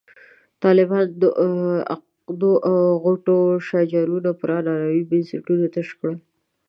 طالبانو د عقدو او غوټو شاجورونه پر عنعنوي بنسټونو تش کړل.